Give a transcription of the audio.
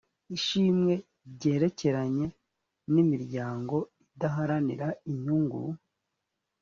ishimwe ryerekeranye n’imiryango idaharanira inyungu